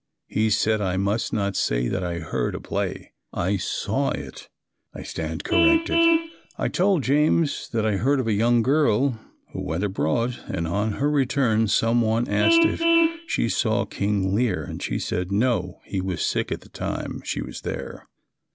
He said I must not say that I "heard" a play. I "saw" it. I stand corrected. I told James that I heard of a young girl who went abroad and on her return some one asked her if she saw King Lear and she said, no, he was sick all the time she was there!